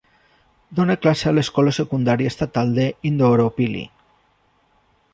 Dona classe a l'escola secundària estatal de Indooroopilly.